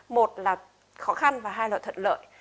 một là khó khăn và hai là thuận lợi